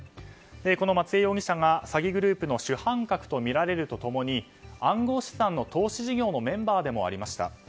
この松江容疑者が詐欺グループの主犯格とみられると共に暗号資産の投資事業のメンバーでもありました。